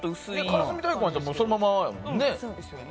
からすみ大根やったらそのままやもんね。